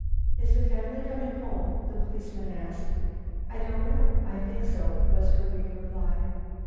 "Is the family coming home?" the policeman asked. "I don't know; I think so," was her weak reply.